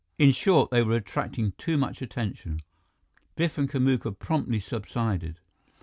In short, they were attracting too much attention. Biff and Kamuka promptly subsided.